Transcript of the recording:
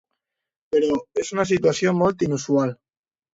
Però és una situació molt inusual.